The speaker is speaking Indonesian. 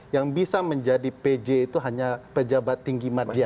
yang bisa menjadi pj itu hanya pejabat tinggi madya